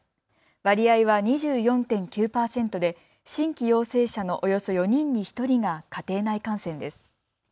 割合は２４．９％で新規陽性者のおよそ４人に１人が家庭内感染です。